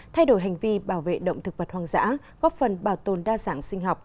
thay đổi hành vi bảo vệ động thực vật hoang dã góp phần bảo tồn đa dạng sinh học